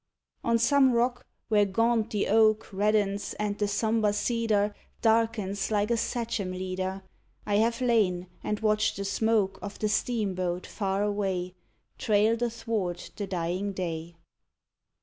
On some rock, where gaunt the oak Reddens and the sombre cedar Darkens, like a sachem leader, I have lain and watched the smoke Of the steamboat, far away, Trailed athwart the dying day.